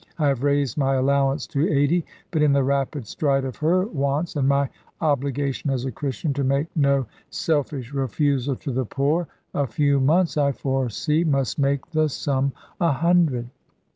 I have raised my allowance to eighty; but in the rapid stride of her wants, and my obligation as a Christian to make no selfish refusal to the poor, a few months, I foresee, must make the sum a hundred."